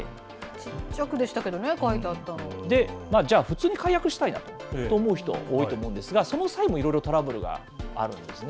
ちっちゃくでしたけど、じゃあ、普通に解約したいなと思う人、多いと思うんですが、その際にもいろいろトラブルがあるんですね。